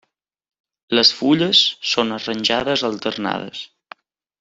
Les fulles són arranjades alternades.